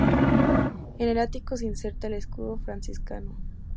En el ático se inserta el escudo franciscano.